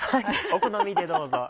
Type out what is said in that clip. お好みでどうぞ。